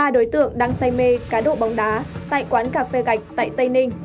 ba đối tượng đang say mê cá độ bóng đá tại quán cà phê gạch tại tây ninh